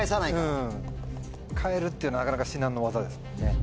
変えるってのはなかなか至難の業ですもんね。